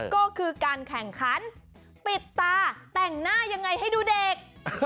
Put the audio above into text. ก็คือการแข่งขันปิดตาแต่งหน้ายังไงให้ดูเด็ก